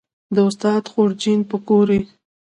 د استاد خورجین به ګورې